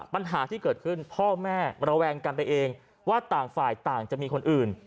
ปัญหาที่เกิดขึ้นพ่อแม่ระแวงกันไปเองว่าต่างฝ่ายต่างจะมีคนอื่น